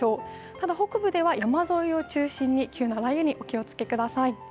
ただ北部では山沿いを中心に急な雷雨にお気をつけください。